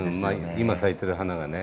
今咲いてる花がね